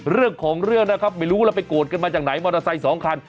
เรื่องของเรื่องนะครับไม่รู้แล้วไปโกรธกันมาจากไหนมอเตอร์ไซค์สองคัน